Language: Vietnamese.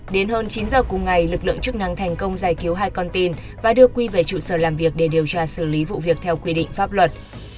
đến hơn chín giờ cùng ngày lực lượng chức năng thành công giải cứu hai con tin và đưa quy về trụ sở làm việc để điều tra xử lý vụ việc theo quy định pháp luật